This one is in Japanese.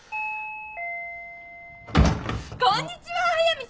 ・こんにちは速見さ。